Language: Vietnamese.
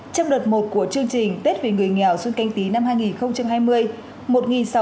trong đợt một của chương trình tết vì người nghèo xuân canh tý